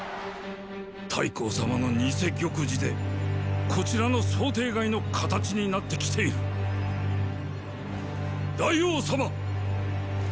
太后様の偽玉璽でこちらの想定外の形になってきている大王様！！